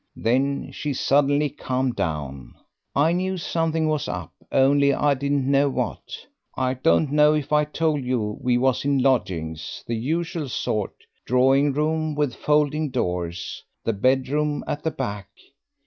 Then she suddenly calmed down. I knew something was up, only I didn't know what. I don't know if I told you we was in lodgings the usual sort, drawing room with folding doors, the bedroom at the back.